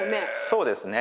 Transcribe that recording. そうですね。